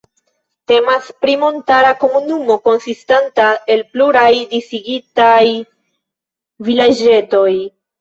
Temas pri montara komunumo, konsistanta el pluraj disigitaj vilaĝetoj.